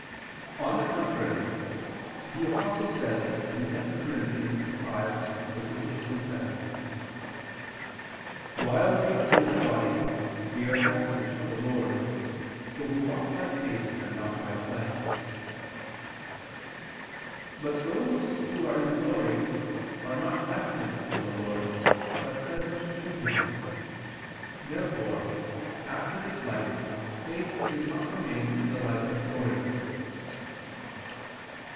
On the contrary, The Apostle says (2 Cor. 5:6, 7): "While we are in the body, we are absent from the Lord: for we walk by faith and not by sight." But those who are in glory are not absent from the Lord, but present to Him. Therefore after this life faith does not remain in the life of glory.